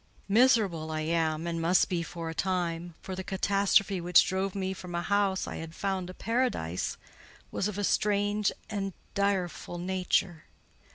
Miserable I am, and must be for a time; for the catastrophe which drove me from a house I had found a paradise was of a strange and direful nature.